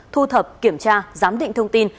thu thập kiểm tra giám định thông tin